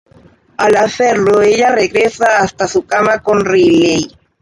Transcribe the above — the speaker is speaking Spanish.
Al hacerlo ella regresa hasta su cama con Riley.